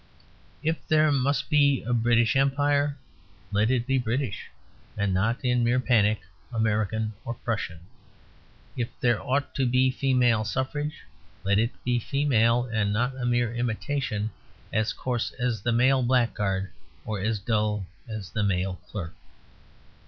If there must be a British Empire, let it be British, and not, in mere panic, American or Prussian. If there ought to be female suffrage, let it be female, and not a mere imitation as coarse as the male blackguard or as dull as the male clerk.